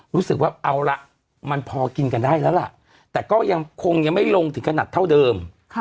รู้สึกว่าเอาละมันพอกินกันได้แล้วล่ะแต่ก็ยังคงยังไม่ลงถึงขนาดเท่าเดิม